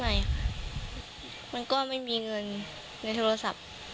ไม่ค่ะมันก็ไม่มีเงินในโทรศัพท์